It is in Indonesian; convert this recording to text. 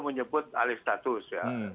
menyebut alih status ya